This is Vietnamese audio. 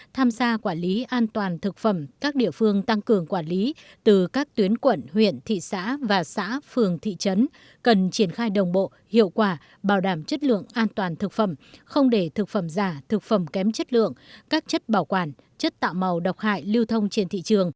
tham gia quản lý an toàn thực phẩm các địa phương tăng cường quản lý từ các tuyến quận huyện thị xã và xã phường thị trấn cần triển khai đồng bộ hiệu quả bảo đảm chất lượng an toàn thực phẩm không để thực phẩm giả thực phẩm kém chất lượng các chất bảo quản chất tạo màu độc hại lưu thông trên thị trường